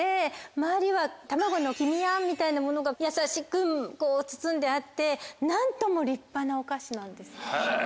周りは卵の黄身あんみたいなものが優しく包んであって何とも立派なお菓子なんです。